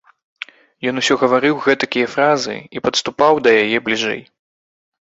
Ён усё гаварыў гэтакія фразы і падступаў да яе бліжэй.